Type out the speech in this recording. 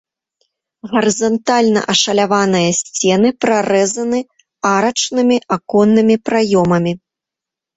Гарызантальна ашаляваныя сцены прарэзаны арачнымі аконнымі праёмамі.